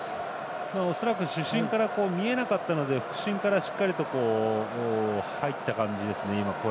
恐らく主審から見えなかったので副審からしっかりと声が入った感じですね。